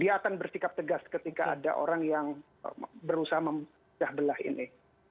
dia akan bersikap tegas ketika ada orang yang berusaha mempecah belah ini